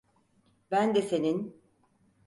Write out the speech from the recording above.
Ben de senin…